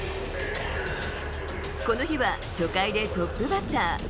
この日は初回でトップバッター。